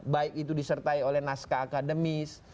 baik itu disertai oleh naskah akademis